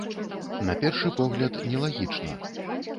На першы погляд, нелагічна.